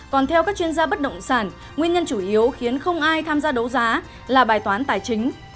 còn theo các chuyên gia bất động sản nguyên nhân chủ yếu khiến không ai tham gia đấu giá là bài toán tài chính